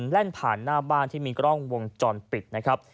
แล่นผ่านหน้าบ้านที่มีกล้องวงจรปิดนะครับ